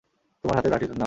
তোমার হাতের লাঠিটা নাও।